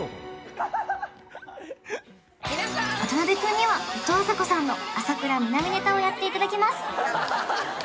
渡辺君にはいとうあさこさんの浅倉南ネタをやっていただきます